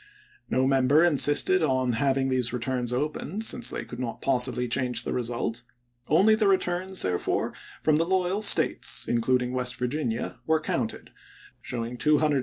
' member insisted on having these returns opened, since they could not possibly change the result. Only the returns therefore from the loyal States, including "West Virginia, were counted, showing 212 electoral votes for Lincoln, and 21 for Mc Clellan.